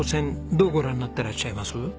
どうご覧になってらっしゃいます？